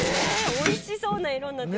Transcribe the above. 「美味しそうな色になって。